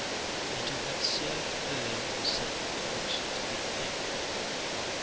And to have served her was something for which to be thankful.